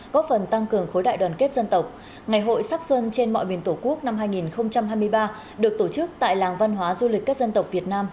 có phần tăng cường khối đại đoàn kết dân tộc ngày hội sắc xuân trên mọi miền tổ quốc năm hai nghìn hai mươi ba được tổ chức tại làng văn hóa du lịch các dân tộc việt nam